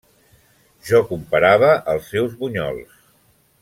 Jo comparava els seus bunyols.